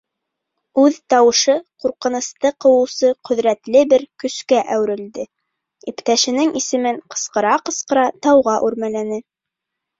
Үҙ тауышы ҡурҡынысты ҡыуыусы ҡөҙрәтле бер көскә әүерелде: иптәшенең исемен ҡысҡыра-ҡысҡыра тауға үрмәләне.